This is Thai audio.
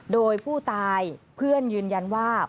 โดยผู้ตายเพื่อนยืนยันว่า